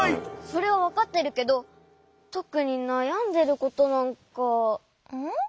それはわかってるけどとくになやんでることなんか。